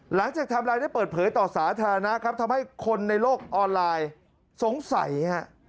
หลังจากทำลายได้เปิดเผยต่อสาธารณะครับทำให้คนในโลกออนไลน์สงสัย